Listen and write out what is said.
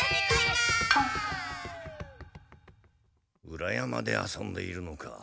裏山で遊んでいるのか。